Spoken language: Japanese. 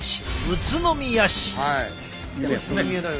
宇都宮市。